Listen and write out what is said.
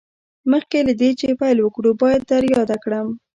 مخکې له دې چې پیل وکړو باید در یاده کړم